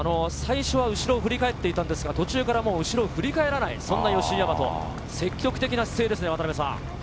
最初は後ろを振り返っていたんですが、途中から後ろ振り返らないそんな吉居大和、積極的な姿勢ですね。